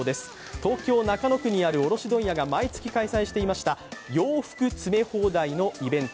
東京・中野区にある卸問屋が毎月開催していました洋服詰め放題のイベント。